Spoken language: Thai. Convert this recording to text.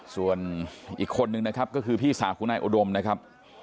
ส่วนอีกคนนึงนะครับก็คือพี่สาวของนายอุดมนะครับ